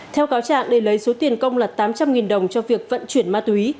theo cáo trạng để lấy số tiền công là tám trăm linh đồng cho việc vận chuyển ma túy